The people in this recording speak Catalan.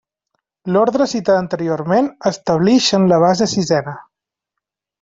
L'Orde citada anteriorment, establix en la base sisena.